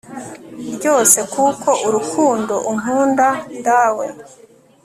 ryose), kuko urukundo unkunda dawe